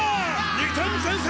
２点先制！